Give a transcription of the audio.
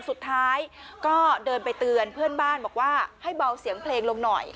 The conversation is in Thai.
สุดท้ายก็เดินไปเตือนเพื่อนบ้านบอกว่าให้เบาเสียงเพลงลงหน่อย